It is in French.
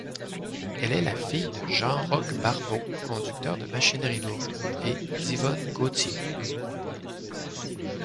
Elle est la fille de Jean-Roch Barbeau, conducteur de machinerie lourde, et d'Yvonne Gauthier.